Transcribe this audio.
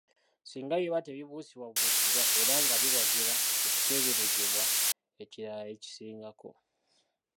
Singa biba tebibuusibwabuusibwa era nga biwagira ekiteeberezebwa ekirala ekisingako.